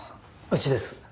うちです。